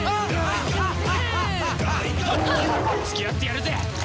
付き合ってやるぜ！